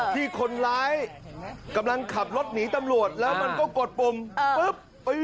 ที่คนร้ายกำลังขับรถหนีตำรวจแล้วมันก็กดปุ่มปุ๊บ